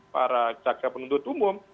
para jaksa penuntut umum